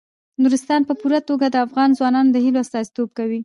نورستان په پوره توګه د افغان ځوانانو د هیلو استازیتوب کوي.